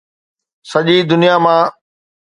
سڄي دنيا مان